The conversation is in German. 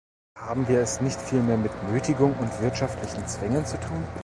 Haben wir es nicht vielmehr mit Nötigung und wirtschaftlichen Zwängen zu tun?